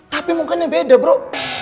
tapi mukanya beda bro